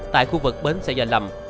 tại khu vực bến sài gòn lầm